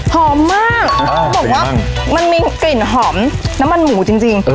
หอมมากอ้าวสีมากบอกว่ามันมีกลิ่นหอมน้ำมันหมูจริงจริง